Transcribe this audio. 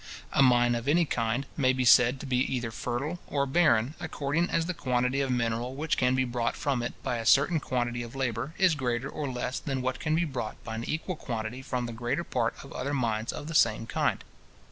A mine of any kind may be said to be either fertile or barren, according as the quantity of mineral which can be brought from it by a certain quantity of labour, is greater or less than what can be brought by an equal quantity from the greater part of other mines of the same kind.